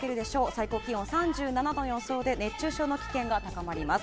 最高気温３７度の予想で熱中症の危険が高まります。